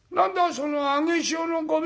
その『上げ潮のごみ』